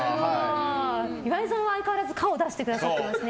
岩井さんは相変わらず可を出してくれていますね。